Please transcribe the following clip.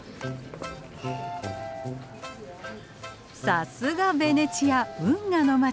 さすがベネチア運河の街。